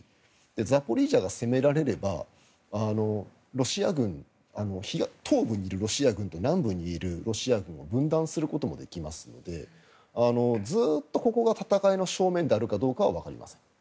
ザポリージャが攻められれば東部にいるロシア軍と南部にいるロシア軍を分断することもできますのでずっとここが戦いの正面であるかはわかりません。